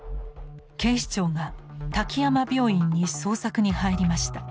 警視庁が滝山病院に捜索に入りました。